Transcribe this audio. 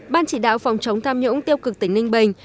ban chỉ đạo phòng chống tham nhũng tiêu cực tỉnh ninh bình